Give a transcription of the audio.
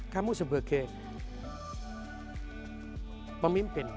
kamu sebagai pemimpin